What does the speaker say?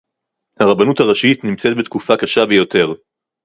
הרבנות הראשית נמצאת בתקופה קשה ביותר